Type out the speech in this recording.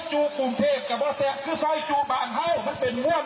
ซ้อยจู่กรุงเทพกับว่าแซ่งคือซ้อยจู่บางเฮ่ามันเป็นมั่วนั้น